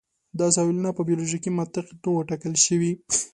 دا ساحلونه په بیولوژیکي منطق نه وې ټاکل شوي.